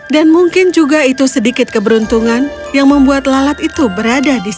dan mungkin juga itu sedikit keberuntungan yang membuat lalat itu berada di sini